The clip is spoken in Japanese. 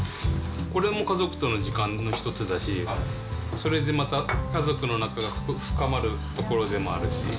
これも家族との時間の一つだし、それでまた家族の仲が深まるところでもあるし。